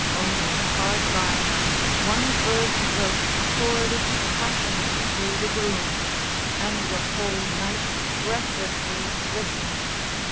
Only hard by One bird throat poured its passion through the gloom, And the whole night breathlessly listened.